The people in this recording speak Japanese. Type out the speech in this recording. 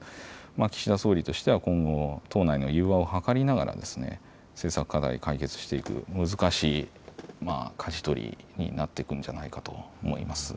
岸田総理としては今後、党内の融和を図りながら政策課題を解決していく難しいかじ取りになっていくんじゃないかと思います。